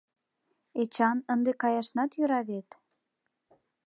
Эчан, ынде каяшнат йӧра вет?